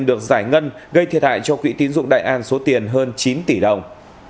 được giải ngân gây thiệt hại cho quỹ tín dụng đại an số tiền hơn chín tỷ đồng